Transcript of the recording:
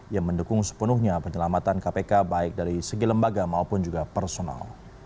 yang mendukung sepenuhnya penyelamatan kpk baik dari segi lembaga maupun juga personal